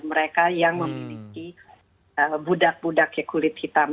mereka yang memiliki budak budak ya kulit hitam